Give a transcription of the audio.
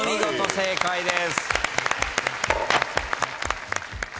正解です。